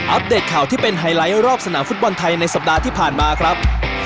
เดตข่าวที่เป็นไฮไลท์รอบสนามฟุตบอลไทยในสัปดาห์ที่ผ่านมาครับ